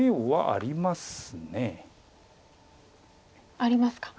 ありますか。